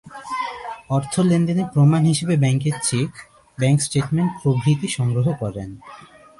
অর্থ লেনদেনের প্রমাণ হিসেবে ব্যাংকের চেক, ব্যাংক স্টেটমেন্ট প্রভৃতি সংগ্রহ করেন।